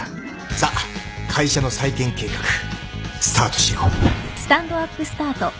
さあ会社の再建計画スタートしよう。